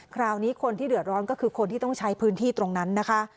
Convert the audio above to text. คราวนี้คนที่เดือดร้อนก็คือคนที่ต้องใช้พื้นที่ตรงนั้นนะคะ